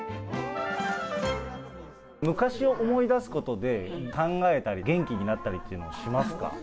昔を思い出すことで、考えたり元気になったりっていうのしますか？